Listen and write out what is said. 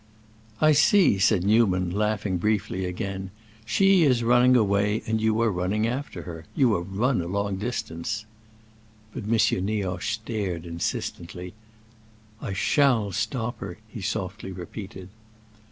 "I see," said Newman, laughing briefly again. "She is running away and you are running after her. You have run a long distance!" But M. Nioche stared insistently: "I shall stop her!" he softly repeated.